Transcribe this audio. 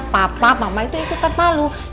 papa mama itu ikutan palu